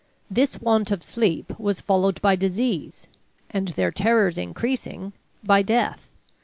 This want of sleep was followed by disease, and, their terrors increasing, by death.